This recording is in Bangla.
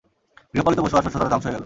গৃহপালিত পশু আর শষ্য তাতে ধ্বংস হয়ে গেল।